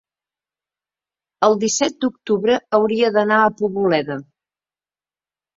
el disset d'octubre hauria d'anar a Poboleda.